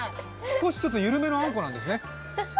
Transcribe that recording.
少し緩めのあんこなんですね。